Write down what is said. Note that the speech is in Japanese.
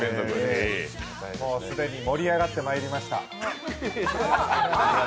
既に盛り上がってまいりました。